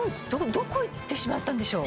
どこへいってしまったんでしょう